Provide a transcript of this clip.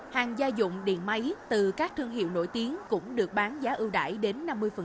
hàng gia dụng điện máy từ các thương hiệu nổi tiếng cũng được bán giá ưu đại đến năm mươi